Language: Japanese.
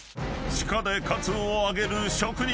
［地下でカツを揚げる職人］